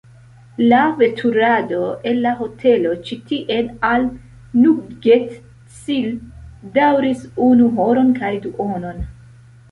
La veturado el la hotelo ĉi tien al "Nugget-tsil" daŭris unu horon kaj duonon.